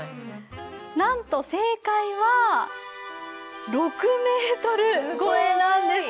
なんと正解は６ｍ超えなんです。